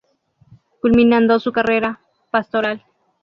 Culminando su carrera pastoral.